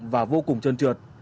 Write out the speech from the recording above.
và vô cùng trơn trượt